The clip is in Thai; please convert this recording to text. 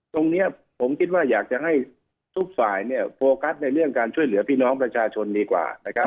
ตรงนี้ผมคิดว่าอยากจะให้ทุกฝ่ายเนี่ยโฟกัสในเรื่องการช่วยเหลือพี่น้องประชาชนดีกว่านะครับ